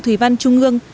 thủy văn trung ương